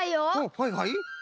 はいはい。